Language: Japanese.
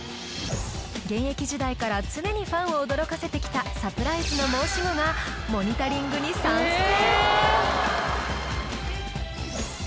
現役時代から常にファンを驚かせてきたサプライズの申し子が「モニタリング」に参戦